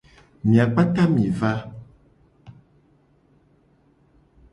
Mia kpata mi va.